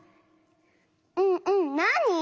うんうんなに？